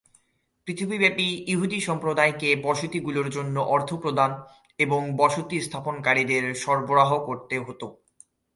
পৃথিবীব্যাপী যিহূদী সম্প্রদায়কে বসতিগুলির জন্য অর্থ প্রদান এবং বসতি স্থাপনকারীদের সরবরাহ করতে হতো।